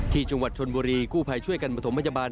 ที่จังหวัดชนบุรีกู้ภัยช่วยกันประถมพยาบาล